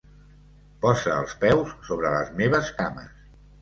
Posa els peus sobre les meves cames.